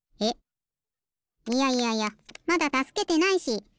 えっいやいやいやまだたすけてないし。